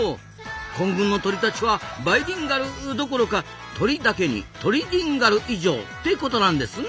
混群の鳥たちはバイリンガルどころか鳥だけにトリリンガル以上ってことなんですな。